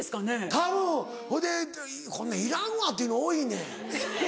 たぶん。ほいでこんなんいらんわっていうの多いねん。